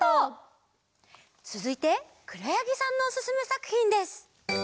つづいてくろやぎさんのおすすめさくひんです。